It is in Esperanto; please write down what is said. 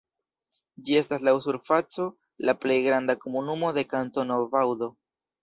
Ĝi estas laŭ surfaco la plej granda komunumo de Kantono Vaŭdo.